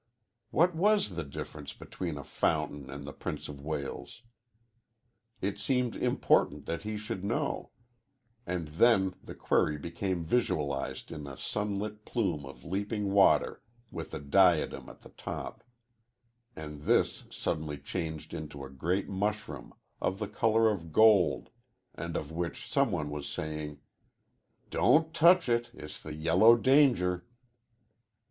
What was the difference between a fountain and the Prince of Wales? It seemed important that he should know, and then the query became visualized in a sunlit plume of leaping water with a diadem at the top, and this suddenly changed into a great mushroom, of the color of gold, and of which some one was saying, "Don't touch it it's the Yellow Danger."